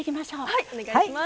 はいお願いします。